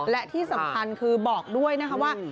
และที่สำคัญคือบอกด้วยนะคะว่า